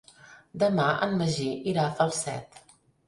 Demà en Magí irà a Falset.